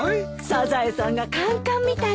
サザエさんがカンカンみたいよ。